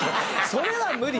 それは無理。